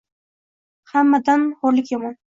Hammadan xoʼrlik yomon…